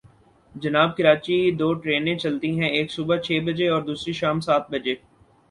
جناب، کراچی دو ٹرینیں چلتی ہیں، ایک صبح چھ بجے اور دوسری شام سات بجے۔